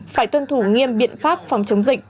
phải tuân thủ nghiêm biện pháp phòng chống dịch